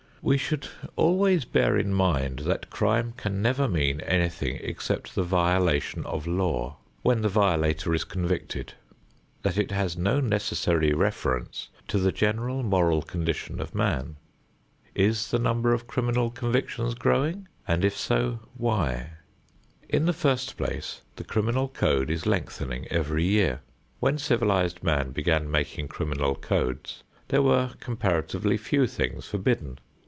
We should always bear in mind that crime can never mean anything except the violation of law, when the violator is convicted; that it has no necessary reference to the general moral condition of man. Is the number of criminal convictions growing, and if so why? In the first place, the criminal code is lengthening every year. When civilized man began making criminal codes, there were comparatively few things forbidden.